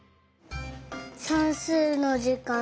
さんすうのじかん。